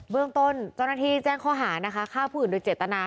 เรื่องต้นเจ้าหน้าที่แจ้งข้อหานะคะฆ่าผู้อื่นโดยเจตนา